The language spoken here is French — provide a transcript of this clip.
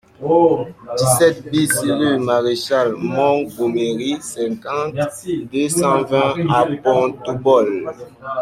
dix-sept BIS rue Marechal Montgomery, cinquante, deux cent vingt à Pontaubault